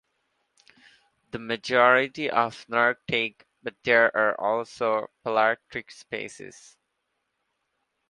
The majority are Nearctic, but there are also Palearctic species.